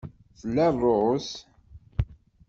Tla ṛṛuz?